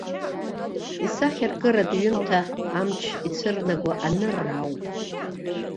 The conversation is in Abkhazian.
Исахьаркыратә ҩымҭа амч ицәырнаго анырра ауп.